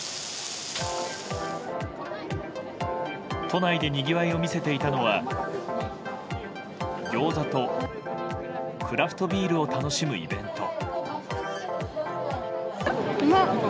都内でにぎわいを見せていたのは餃子とクラフトビールを楽しむイベント。